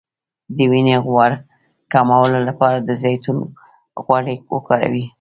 د وینې غوړ کمولو لپاره د زیتون غوړي وکاروئ